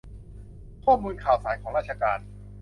ข้อมูลข่าวสารของราชการ